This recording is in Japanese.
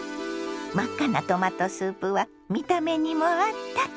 真っ赤なトマトスープは見た目にもあったか。